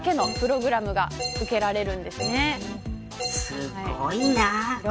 すごいな。